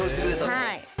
はい。